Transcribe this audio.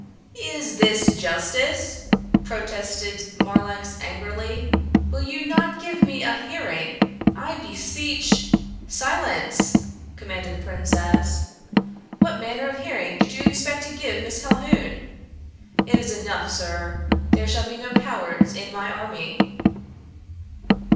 "Is this justice?" protested Marlanx angrily. "Will you not give me a hearing? I beseech " "Silence!" commanded the princess. "What manner of hearing did you expect to give Miss Calhoun? It is enough, sir. There shall be no cowards in my army."